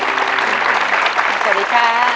สวัสดีครับ